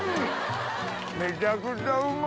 めちゃくちゃうまい。